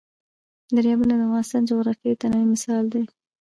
دریابونه د افغانستان د جغرافیوي تنوع مثال دی.